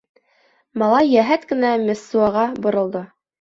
— Малай йәһәт кенә Мессуаға боролдо.